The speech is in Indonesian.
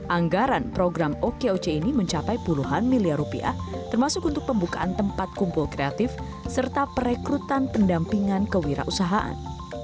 anggaran program okoc ini mencapai puluhan miliar rupiah termasuk untuk pembukaan tempat kumpul kreatif serta perekrutan pendampingan kewirausahaan